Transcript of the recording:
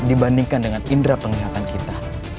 dibandingkan dengan indera penglihatan kita